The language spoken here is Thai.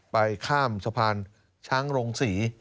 ไปข้ามสะพานช้างโรงศรี